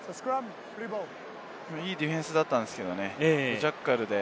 いいディフェンスだったんですけれどもね、ジャッカルで。